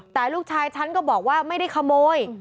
แต่ลูกชายฉันก็บอกว่าไม่ได้ขโมย